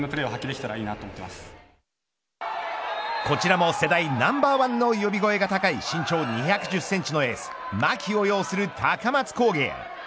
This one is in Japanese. こちらも世代ナンバーワンの呼び声が高い身長２１０センチのエース牧を擁する高松工芸。